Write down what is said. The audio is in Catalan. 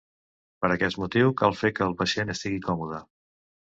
Per aquest motiu, cal fer que el pacient estigui còmode.